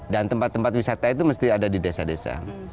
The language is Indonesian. dan tempat tempat wisata itu mesti ada di desa desa